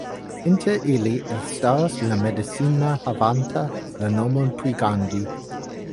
Inter ili elstaras la medicina havanta la nomon pri Gandhi.